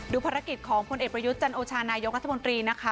ดูภารกิจของคนเอกประยุทธจันทร์โอชานายกราศมนตรีนะคะ